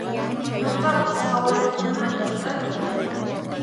Nuqapas hawallaqtamantan kani